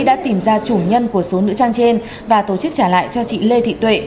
đã tìm ra chủ nhân của số nữ trang trên và tổ chức trả lại cho chị lê thị tuệ